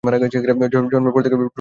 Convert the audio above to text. জন্মের পর থেকেই, প্রশ্ন নিয়ে তাড়া করছে।